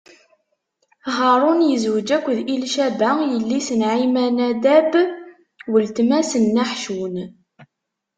Haṛun izweǧ akked Ilicaba, yelli-s n Ɛaminadab, weltma-s n Naḥcun.